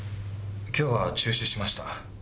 今日は中止しました。